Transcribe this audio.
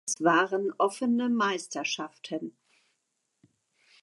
Es waren offene Meisterschaften.